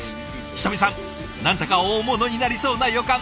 人見さん何だか大物になりそうな予感。